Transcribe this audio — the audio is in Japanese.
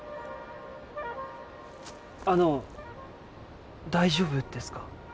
あの大丈夫ですか？